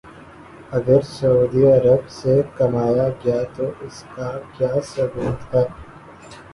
اگر سعودی عرب سے کمایا گیا تو اس کا ثبوت کیا ہے؟